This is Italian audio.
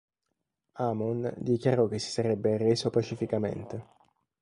Amon dichiarò che si sarebbe arreso pacificamente.